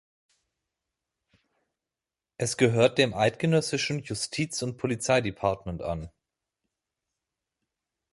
Es gehört dem Eidgenössischen Justiz- und Polizeidepartement an.